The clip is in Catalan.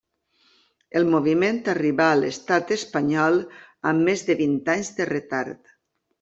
El moviment arribà a l'Estat espanyol amb més de vint anys de retard.